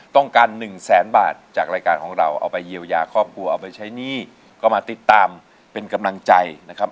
ต้องการหนึ่งแสนบาทจากรายการของเราเอาไปเยียวยาครอบครัวเอาไปใช้หนี้ก็มาติดตามเป็นกำลังใจนะครับ